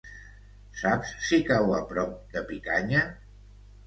Saps si cau a prop de Picanya?